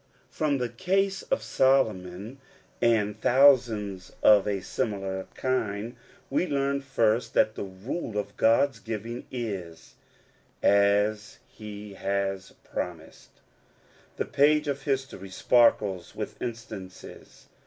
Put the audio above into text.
From the case of Solomon, and thousands of a similar kind, we learn first that the rule of GocPs giving is — as he has promised. The page of history sparkles with instances.